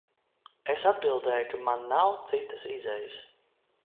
Es atbildēju, ka man nav citas izejas.